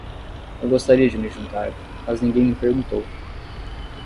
Eu gostaria de me juntar, mas ninguém me perguntou.